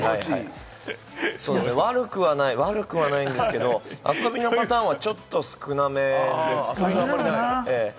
悪くはない、悪くはないんですけれども、遊びのパターンはちょっと少なめですかね。